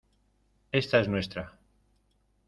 esta es nuestra.